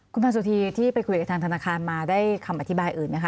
คุณพันสุธีที่ไปคุยกับทางธนาคารมาได้คำอธิบายอื่นไหมคะ